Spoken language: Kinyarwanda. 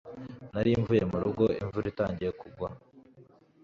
Nari mvuye murugo imvura itangiye kugwa